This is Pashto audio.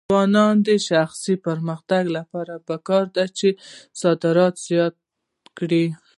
د ځوانانو د شخصي پرمختګ لپاره پکار ده چې صادرات زیات کړي.